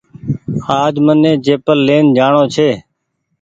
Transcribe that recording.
آج مني چيپل لين جآڻو ڇي